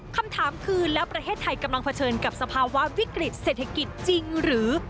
คำถามคือแล้วประเทศไทยกำลังเผชิญกับสภาวะวิกฤตเศรษฐกิจจริงหรือ